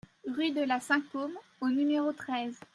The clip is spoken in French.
Rue de la Saint-Côme au numéro treize